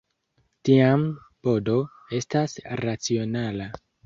Tiam, "b-d" estas racionala.